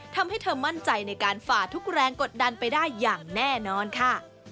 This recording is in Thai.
ทำให้เธอมั่นใจในการฝ่าทุกแรงกดดันไปได้อย่างแน่นอนค่ะ